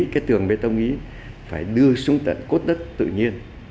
cái tường bê tông ý phải đưa xuống tận cốt đất tự nhiên